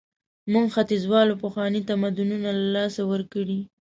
موږ ختیځوالو پخواني تمدنونه له لاسه ورکړي.